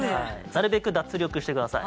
なるべく脱力してください。